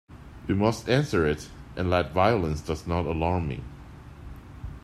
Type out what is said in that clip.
You must answer it; and that violence does not alarm me.